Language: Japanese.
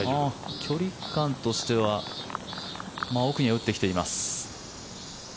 距離感としては奥には打ってきています。